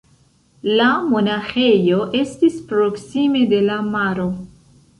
La monaĥejo estis proksime de la maro.